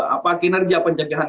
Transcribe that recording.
apa kinerja penjagaan